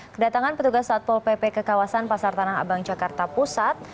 kedatangan petugas satpol pp ke kawasan pasar tanah abang jakarta pusat